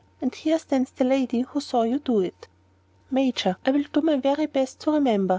And here stands the lady who saw you do it." "Major, I will do my very best to remember.